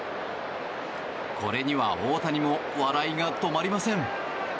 これには大谷も笑いが止まりません。